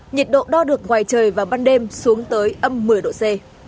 nhiệt độ đo được ngoài trời vào ban đêm xuống tới âm một mươi độ c